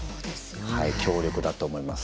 強力だと思います。